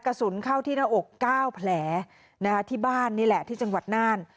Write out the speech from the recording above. กระสุนเข้าที่หน้าอก๙แผลที่บ้านนี่แหละที่จังหวัดน่าน